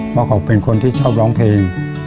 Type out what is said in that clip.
เพราะเขาเป็นคนที่ชอบร้องเพลง